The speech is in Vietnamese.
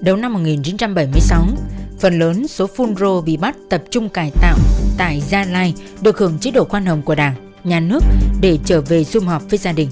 đầu năm một nghìn chín trăm bảy mươi sáu phần lớn số phun rô bị bắt tập trung cải tạo tại gia lai được hưởng chế độ khoan hồng của đảng nhà nước để trở về xung họp với gia đình